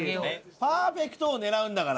パーフェクトを狙うんだから。